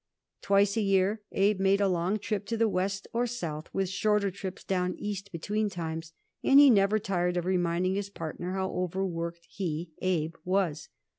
Twice a year Abe made a long trip to the West or South, with shorter trips down East between times, and he never tired of reminding his partner how overworked he, Abe, was.